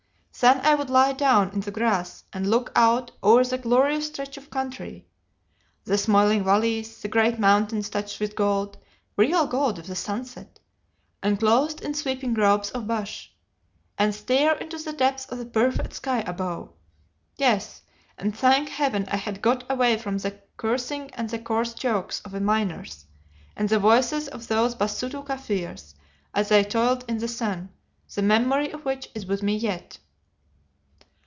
Then I would lie down in the grass and look out over the glorious stretch of country the smiling valleys, the great mountains touched with gold real gold of the sunset, and clothed in sweeping robes of bush, and stare into the depths of the perfect sky above; yes, and thank Heaven I had got away from the cursing and the coarse jokes of the miners, and the voices of those Basutu Kaffirs as they toiled in the sun, the memory of which is with me yet.